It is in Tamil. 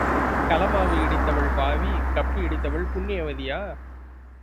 கலமாவு இடித்தவள் பாவி, கப்பி இடித்தவள் புண்ணியவதியா?